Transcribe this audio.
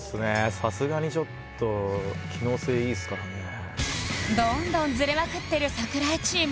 さすがにちょっと機能性いいっすからねどんどんズレまくってる櫻井チーム